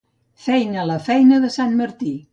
Feia la feina de sant Martí.